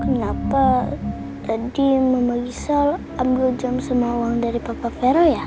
kenapa tadi mama gisel ambil jam semua uang dari papa vero ya